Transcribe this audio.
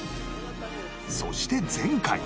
そして前回